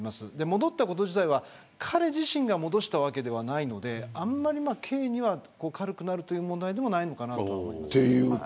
戻ったことは彼自身が戻したわけではないのであまり刑が軽くなる問題ではないのかなと。